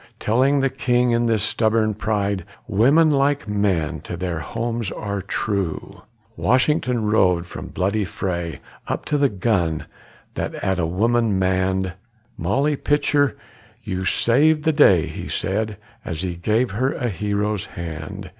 Telling the king in his stubborn pride Women like men to their homes are true. Washington rode from the bloody fray Up to the gun that a woman manned. "Molly Pitcher, you saved the day," He said, as he gave her a hero's hand.